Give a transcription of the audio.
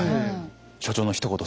所長のひと言